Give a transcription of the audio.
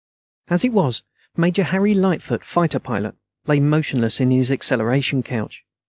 As it was, Major Harry Lightfoot, fighter pilot, lay motionless in his acceleration couch.